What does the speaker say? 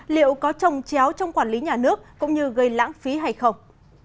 liệu có trồng chéo trong quản lý nhà nước cũng như gây lãng phí hay không